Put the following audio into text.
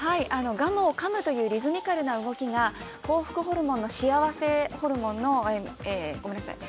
ガムを噛むというリズミカルな動きが幸福ホルモンの幸せホルモンのえごめんなさい